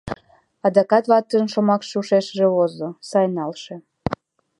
Адакат ватыжын шомакше ушешыже возо: «Сай налше.